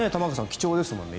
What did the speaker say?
貴重ですもんね。